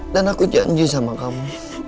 dan aku janji sama kamu